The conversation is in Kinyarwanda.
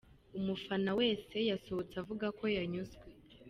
Umufana wese yasohotse avuga ko yanyuzwe!.